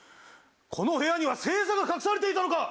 この部屋には星座が隠されていたのか。